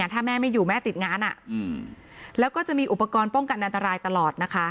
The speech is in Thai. ถ้าแม่ไม่อยู่แม่ติดงานแล้วก็จะมีอุปกรณ์ป้องกันอันตรายตลอดนะคะ